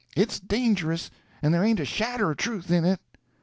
It's dangerous, and there ain't a shadder of truth in it."